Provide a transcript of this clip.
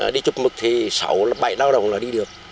đi chụp mực thì sáu bảy lao động là đi được